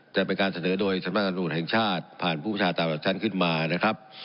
จะเป็นการเสนอโดยสำนักงานตำรวจแห่งชาติผ่านผู้ประชาตามหลักชั้นขึ้นมานะครับ